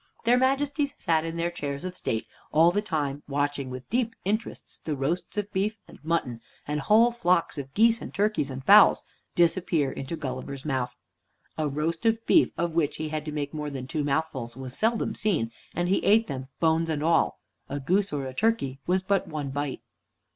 Their Majesties sat in their chairs of state all the time, watching with deep interest the roasts of beef and mutton, and whole flocks of geese and turkeys and fowls disappear into Gulliver's mouth. A roast of beef of which he had to make more than two mouthfuls was seldom seen, and he ate them bones and all. A goose or a turkey was but one bite.